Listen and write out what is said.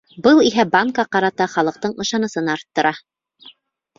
Был иһә банкка ҡарата халыҡтың ышанысын арттыра.